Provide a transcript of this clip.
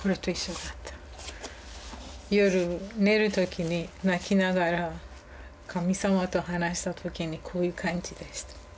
夜寝る時に泣きながら神様と話した時にこういう感じでした。